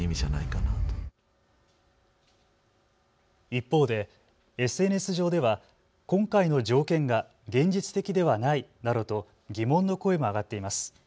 一方でＳＮＳ上では今回の条件が現実的ではないなどと疑問の声も上がっています。